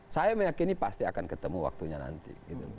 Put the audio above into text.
saya meyakini pasti akan ketemu waktunya nanti